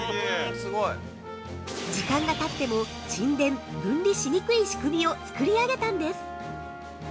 時間がたっても、沈殿、分離しにくい仕組みを作り上げたんです。